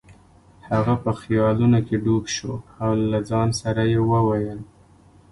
هغه په خیالونو کې ډوب شو او له ځان سره یې وویل.